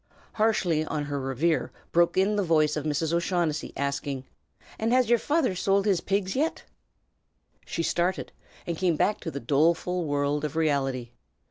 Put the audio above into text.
Harshly on her reverie broke in the voice of Mrs. O'Shaughnessy, asking, "And has yer father sold his pigs yit?" She started, and came back to the doleful world of reality.